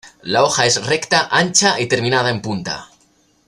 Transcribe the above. La hoja es recta, ancha y terminada en punta.